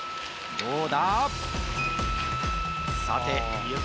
どうだ？